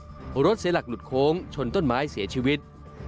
เพราะรถเสียหลักหลุดโค้งชนต้นไม้เสียชีวิต